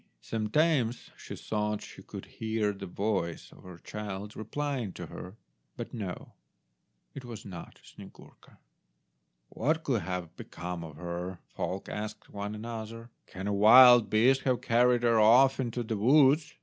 Sometimes she thought she could hear the voice of her child replying to her; but no, it was not Snyegurka. "What could have become of her?" folk asked one another; "can a wild beast have carried her off into the woods?